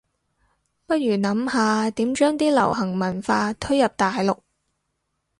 不如諗下點將啲流行文化推入大陸